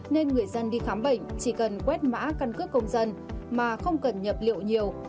nên người dân đi khám bệnh chỉ cần quét mã căn cước công dân mà không cần nhập liệu nhiều